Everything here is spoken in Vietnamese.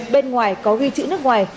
bên ngoài có ghi chữ nước ngoài